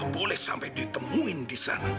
boleh sampai ditemuin disana